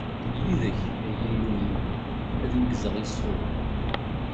Yid-k, ay Illu-iw, ad neggzeɣ i ṣṣur.